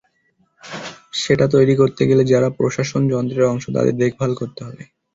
সেটা তৈরি করতে গেলে যাঁরা প্রশাসনযন্ত্রের অংশ, তাঁদের দেখভাল করতে হবে।